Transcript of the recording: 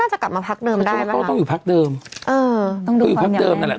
น่าจะกลับมาภักด์เดิมได้แล้วนะต้องอยู่ภาพเดิมเอ่อก็อยู่ภาพเดิมนันแหละ